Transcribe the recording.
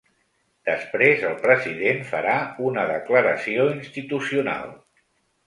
Després el president farà una declaració institucional.